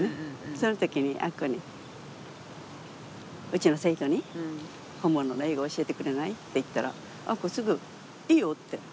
その時にあっこに「うちの生徒に本物の英語教えてくれない？」って言ったらあっこすぐ「いいよ」って。